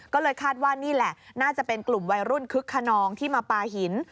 ก็เลยคาดว่านี่แหละน่าจะเป็นกลุ่มวัยรุ่นคึกขนองที่มาปลาหิน